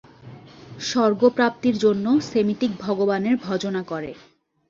স্বর্গপ্রাপ্তির জন্য সেমিটিক ভগবানের ভজনা করে।